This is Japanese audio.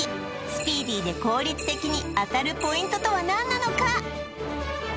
スピーディーで効率的に当たるポイントとは何なのか？